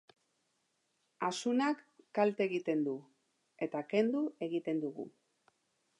Asunak kalte egiten du, eta kendu egiten dugu.